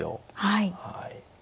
はい。